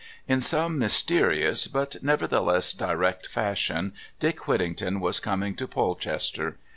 In some mysterious but nevertheless direct fashion Dick Whittington was coming to Polchester.